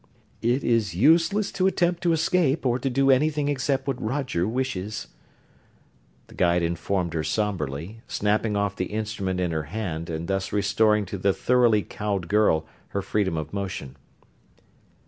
"It is useless to attempt to escape, or to do anything except what Roger wishes," the guide informed her somberly, snapping off the instrument in her hand and thus restoring to the thoroughly cowed girl her freedom of motion.